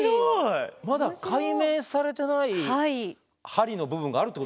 まだ解明されてない針の部分があるってことですか。